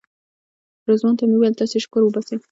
رضوان ته مې ویل تاسې شکر وباسئ.